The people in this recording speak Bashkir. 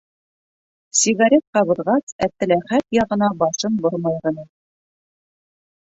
Сигарет ҡабыҙғас, Әптеләхәт яғына башын бормай ғына: